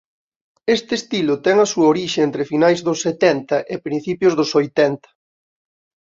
Este estilo ten a súa orixe entre finais dos setenta e principios dos oitenta.